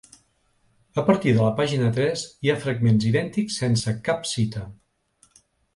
A partir de la pàgina tres hi ha fragments idèntics sense cap cita.